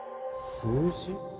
数字？